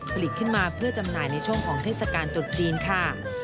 ผลิตขึ้นมาเพื่อจำหน่ายในช่วงของเทศกาลตรุษจีนค่ะ